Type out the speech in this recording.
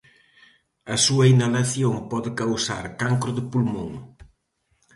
A súa inhalación pode causar cancro de pulmón.